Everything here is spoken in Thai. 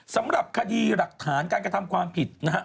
สำหรับคดีหลักฐานการกระทำความผิดนะฮะ